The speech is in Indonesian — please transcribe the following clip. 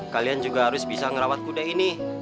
kalian juga harus bisa ngerawat kuda ini